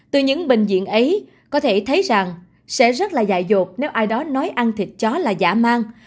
từ những bệnh viện ấy có thể thấy rằng sẽ rất là dài dột nếu ai đó nói ăn thịt chó là giả mang